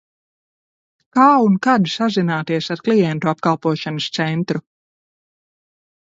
Kā un kad sazināties ar klientu apkalpošanas centru?